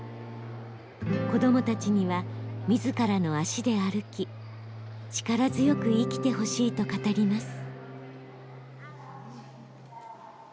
子どもたちには自らの足で歩き力強く生きてほしいと語ります。